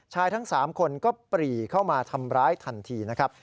ทั้ง๓คนก็ปรีเข้ามาทำร้ายทันทีนะครับ